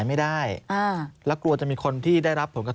มีความรู้สึกว่ามีความรู้สึกว่า